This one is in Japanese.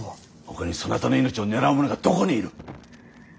ほかにそなたの命を狙う者がどこにいる。